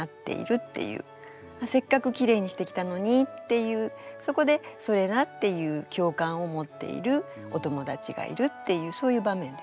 せっかくきれいにしてきたのにっていうそこで「それな」っていう共感を持っているお友達がいるっていうそういう場面ですね。